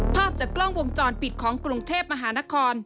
ภาพจากกล้องวงจรปิดของกรุงเทพมหานคร